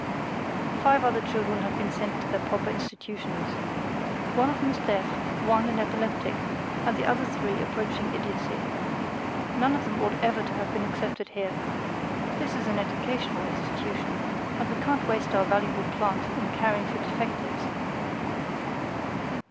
Five other children have been sent to their proper institutions. One of them is deaf, one an epileptic, and the other three approaching idiocy. None of them ought ever to have been accepted here. This as an educational institution, and we can't waste our valuable plant in caring for defectives.